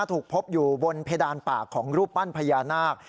ถูกพบอยู่บนเพดานปากของรูปปั้นพญานาค